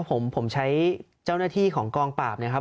อันนี้ผมใช้เจ้าหน้าที่ของกองปราบ